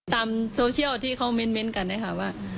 ตามโซเชียลที่เขาเม้นต์กันนะคะว่า